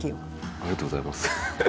ありがとうございます。